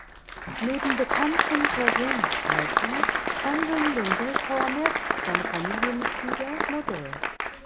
Neben bekannten Persönlichkeiten standen dem Bildhauer mehrfach seine Familienmitglieder Modell.